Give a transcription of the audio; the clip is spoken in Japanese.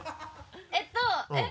えっとえっ？